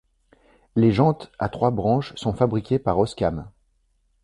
Les jantes à trois branches sont fabriquées par Oscam.